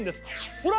ほら！